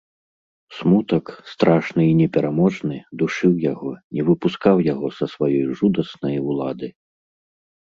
Смутак, страшны і непераможны, душыў яго, не выпускаў яго са сваёй жудаснай улады.